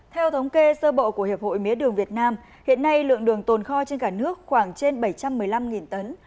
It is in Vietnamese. theo thống kê sơ bộ của hiệp hội mía đường việt nam hiện nay lượng đường tồn kho trên cả nước khoảng trên bảy trăm một mươi năm tấn